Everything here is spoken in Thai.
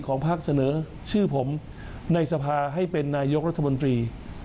ภาคเสนอชื่อผมในสภาให้เป็นนายกรัฐมนตรี